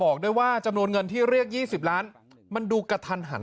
บอกด้วยว่าจำนวนเงินที่เรียก๒๐ล้านมันดูกระทันหัน